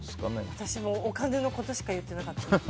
私もお金のことしか言ってなかったです。